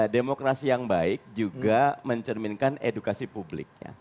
demokrasi yang baik juga mencerminkan edukasi publik